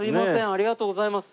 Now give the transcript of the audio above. ありがとうございます。